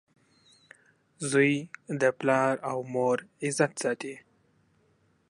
• زوی د پلار او مور عزت ساتي.